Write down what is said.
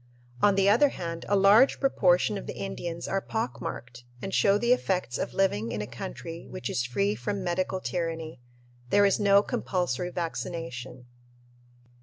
On the other hand, a large proportion of the Indians are pock marked and show the effects of living in a country which is "free from medical tyranny." There is no compulsory vaccination.